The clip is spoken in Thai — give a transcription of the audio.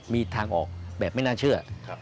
มีทางออกแบบไม่น่าเชื่อ